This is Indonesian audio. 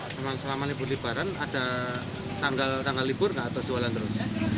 selama lamanya berliburan ada tanggal tanggal libur atau jualan terus